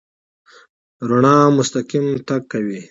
رڼا مستقیم تګ کوي.